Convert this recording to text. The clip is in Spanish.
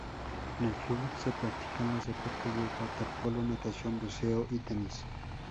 En el club se practican los deportes de waterpolo, natación, buceo y tenis.